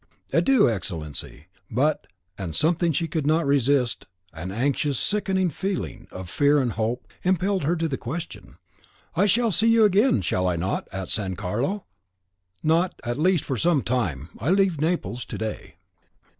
"Adieu, Excellency; but," and something she could not resist an anxious, sickening feeling of fear and hope, impelled her to the question, "I shall see you again, shall I not, at San Carlo?" "Not, at least, for some time. I leave Naples to day."